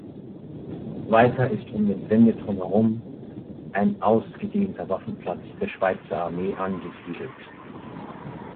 Weiter ist um den Sendeturm herum ein ausgedehnter Waffenplatz der Schweizer Armee angesiedelt.